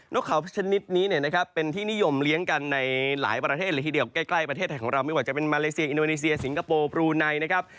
นกขาวชนิดนี้เป็นที่นิยมเลี้ยงกันในหลายประเทศหรือที่เดียวก็ใกล้ประเทศของเราไม่ว่าจะเป็นมาเลเซียอินโดนีเซียสิงคโปร์บรูไนนะครับ